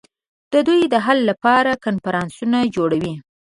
دوی د حل لپاره کنفرانسونه جوړوي